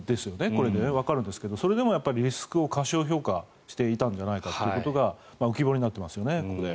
これでわかるんですがそれでもリスクを過小評価していたんじゃないかということが浮き彫りになってますよね。